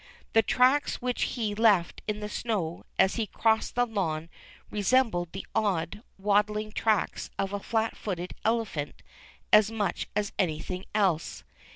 The tracks Avhich he left in the snow as he crossed the lawn resembled the odd, waddling tracks of a flat footed elephant as much as anything else.